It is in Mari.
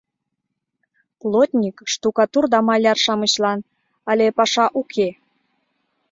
Плотник, штукатур да маляр-шамычлан але паша уке.